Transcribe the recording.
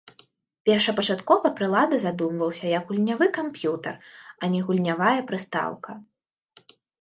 Першапачаткова прылада задумваўся як гульнявы камп'ютар, а не гульнявая прыстаўка.